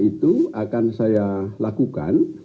itu akan saya lakukan